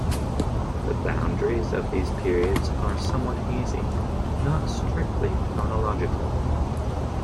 The boundaries of these periods are somewhat hazy, not strictly chronological.